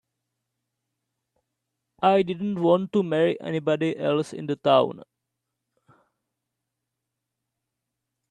I didn't want to marry anybody else in town.